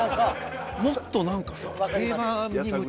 もっと何かさ。